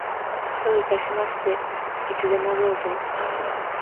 どういたしまして。いつでもどうぞ。